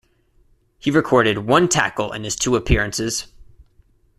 He recorded one tackle in his two appearances.